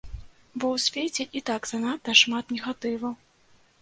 Бо ў свеце і так занадта шмат негатыву.